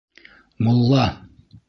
Мулла!